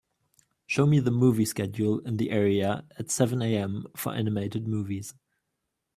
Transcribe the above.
show me the movie schedule in the area at seven AM for animated movies